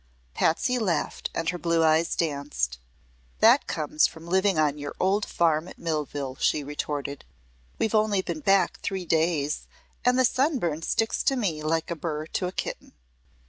Patsy laughed and her blue eyes danced. "That comes from living on your old farm at Millville," she retorted. "We've only been back three days, and the sunburn sticks to me like a burr to a kitten."